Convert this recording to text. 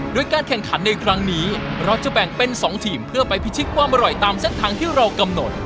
โดยการแข่งขันในครั้งนี้เราจะแบ่งเป็น๒ทีมเพื่อไปพิชิตความอร่อยตามเส้นทางที่เรากำหนด